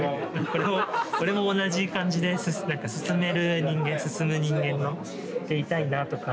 これも同じ感じで進める人間進む人間でいたいなとか。